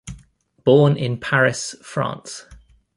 Born in Paris, France.